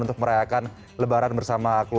untuk merayakan lebaran bersama